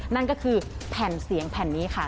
นั่นก็คือแผ่นเสียงแผ่นนี้ค่ะ